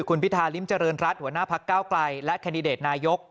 คุณพิธาริมเจริญรัฐหัวหน้าพักเก้าไกลและแคนดิเดตนายก